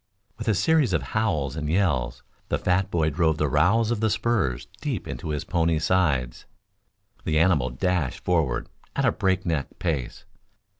With a series of howls and yells, the fat boy drove the rowels of the spurs deep into his pony's aides. The animal dashed forward at a break neck pace.